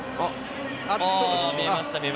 見えました。